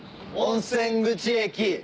温泉口駅。